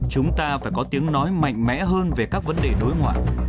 chúng ta phải có tiếng nói mạnh mẽ hơn về các vấn đề đối ngoại